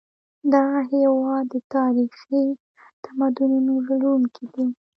دغه هېواد د تاریخي تمدنونو لرونکی دی.